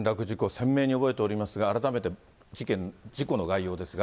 鮮明に覚えておりますが、改めて事故の概要ですが。